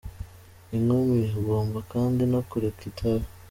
Inkumi : Ugomba kandi no kureka itabi.